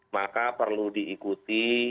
maka perlu diperbaiki